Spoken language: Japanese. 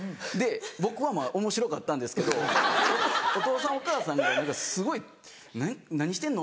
僕はおもしろかったんですけどお義父さんお義母さんがすごい何してんの？